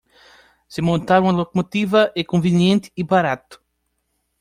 Se montar uma locomotiva é conveniente e barato